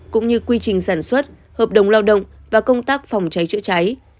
cũng như quy trình sản xuất hợp đồng lao động và công tác phòng cháy chữa cháy